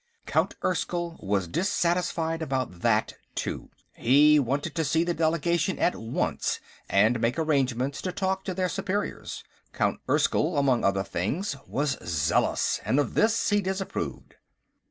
Count Erskyll was dissatisfied about that, too. He wanted to see the delegation at once and make arrangements to talk to their superiors. Count Erskyll, among other things, was zealous, and of this he disapproved.